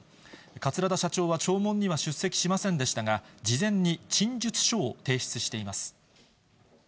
桂田社長は聴聞には出席しませんでしたが、事前に陳述書を提出しています。